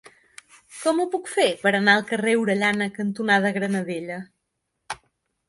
Com ho puc fer per anar al carrer Orellana cantonada Granadella?